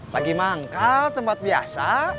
lagi manggal tempat biasa